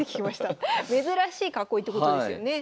珍しい囲いってことですよね。